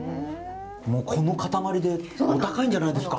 もうこの塊でお高いんじゃないんですか？